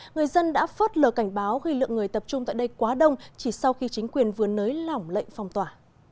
người dân đã phớt lờ cảnh báo ghi lượng người tập trung tại đây quá đông chỉ sau khi chính quyền vừa nới lỏng lệnh phong tỏa